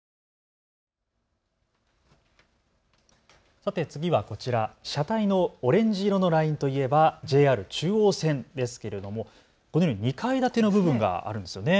さて次はこちら、車体のオレンジ色のラインといえばＪＲ中央線ですけれどもこのように２階建ての部分があるんですよね。